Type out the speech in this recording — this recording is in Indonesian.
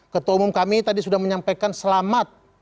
ketua umum kami tadi sudah menyampaikan selamat